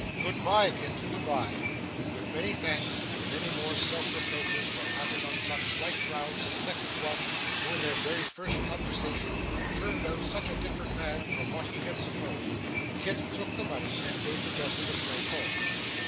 Good bye, Kit. Good bye!' With many thanks, and many more self reproaches for having on such slight grounds suspected one who in their very first conversation turned out such a different man from what he had supposed, Kit took the money and made the best of his way home.